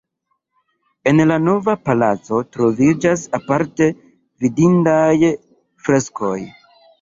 En la Nova Palaco troviĝas aparte vidindaj freskoj.